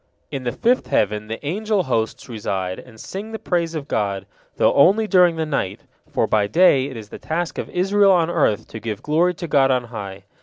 In the fifth heaven, the angel hosts reside, and sing the praise of God, though only during the night, for by day it is the task of Israel on earth to give glory to God on high.